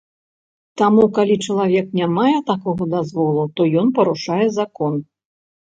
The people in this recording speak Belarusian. Таму, калі чалавек не мае такога дазволу, то ён парушае закон.